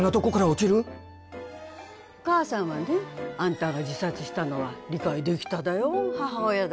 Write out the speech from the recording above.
お母さんはねあんたが自殺したのは理解できただよ母親だで。